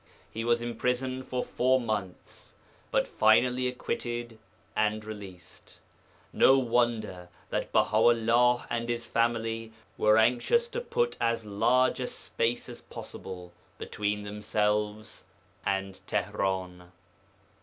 He was imprisoned for four months, but finally acquitted and released. No wonder that Baha 'ullah and his family were anxious to put as large a space as possible between themselves and Tihran.